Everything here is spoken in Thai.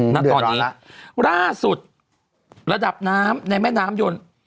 ณตอนนี้ล่าสุดระดับน้ำในแม่น้ำยนต์